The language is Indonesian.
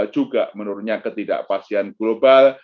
juga menurunnya ketidakpastian global